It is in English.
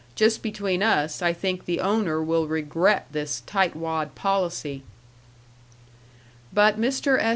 Just between us, I think the owner will regret this tight wad policy." But Mr. S.